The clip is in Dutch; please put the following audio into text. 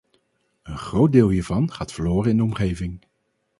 Een groot deel hiervan gaat verloren in de omgeving.